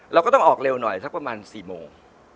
เราก็ต้องออกเร็วหน่อยสักประมาณ๔โมง